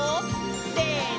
せの！